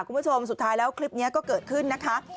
คุณผู้ชมสุดท้ายแล้วคลิปนี้ก็เกิดขึ้นนะคะ